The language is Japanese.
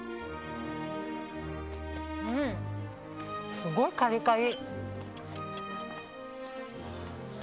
すごいカリカリ。